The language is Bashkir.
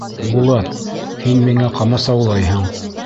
Булат, һин миңә ҡамасаулайһың!